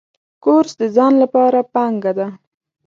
کورس د ځان لپاره پانګه ده.